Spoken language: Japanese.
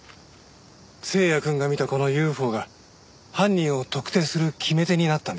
星也くんが見たこのＵＦＯが犯人を特定する決め手になったんです。